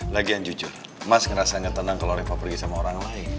lagian jujur mas ngerasa ngetenang kalau reva pergi sama orang lain